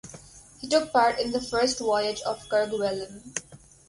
He took part in the First voyage of Kerguelen.